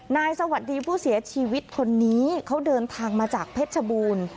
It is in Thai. สวัสดีผู้เสียชีวิตคนนี้เขาเดินทางมาจากเพชรชบูรณ์